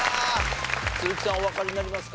鈴木さんおわかりになりますか？